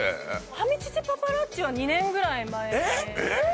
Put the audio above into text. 「ハミ乳パパラッチ」は２年ぐらい前えっ？